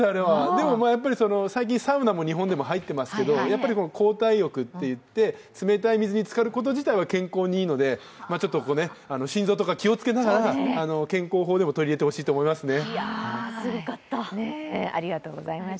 でも、最近、サウナも日本でも入っていますけど、交代浴といって冷たい水につかること自体は健康にいいので心臓とか気をつけながら健康法でも取り入れてほしいなと思いますね。